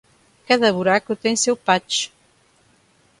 Cada buraco tem seu patch.